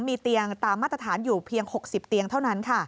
มีเตียงตามมาตรฐานอยู่เพียง๖๐เตียงเท่านั้น